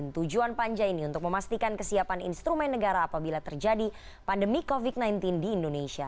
tujuan panja ini untuk memastikan kesiapan instrumen negara apabila terjadi pandemi covid sembilan belas di indonesia